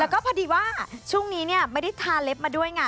แล้วก็พอดีว่าช่วงนี้ไม่ได้ทาเล็บมาด้วยไง